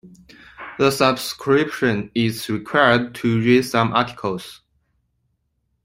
A subscription is required to read some articles.